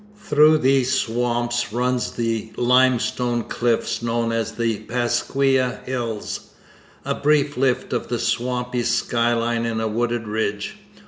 Through these swamps runs the limestone cliff known as the Pasquia Hills a blue lift of the swampy sky line in a wooded ridge.